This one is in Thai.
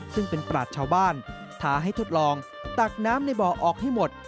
ซึ่งเป็นปราชชาวบ้านท้าให้ทดลองตักน้ำในบ่อออกให้หมด